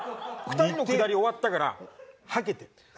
２人のくだり終わったからはけて。